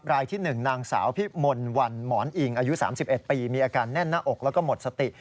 รายที่๑นางสาวพิมลวันหมอนอิงอายุ๓๑ปีมีอาการแน่นหน้าอกแล้วก็หมดสติ